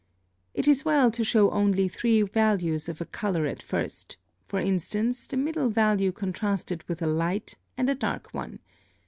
It is well to show only three values of a color at first; for instance, the middle value contrasted with a light and a dark one.